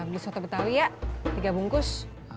beli soto betawi ya tiga bungkus